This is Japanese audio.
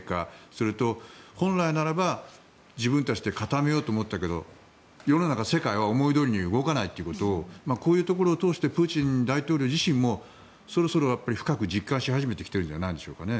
それと、本来ならば自分たちで固めようと思ったけれども世の中、世界は思いどおりには動かないということをこういうところを通してプーチン大統領自身もそろそろ深く実感し始めているんじゃないですかね。